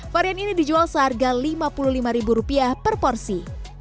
varian ini dijual seharga rp lima puluh lima per porsi